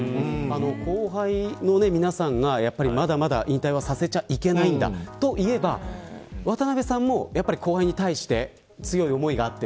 後輩の皆さんがまだまだ引退はさせちゃいけないんだと言えば渡邊さんも後輩に対して強い思いがあって。